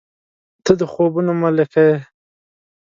• ته د خوبونو ملکې یې.